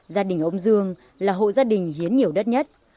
gia đình ông dương là hộ gia đình hiến nhiều đất nhất